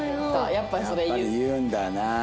やっぱり言うんだな。